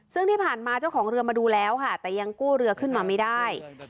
ซึ่งที่ผ่านมาเจ้าของเรือมาดูแล้วค่ะแต่ยังกู้เรือขึ้นมาไม่ได้